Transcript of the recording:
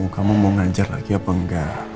kamu mau ngajar lagi apa enggak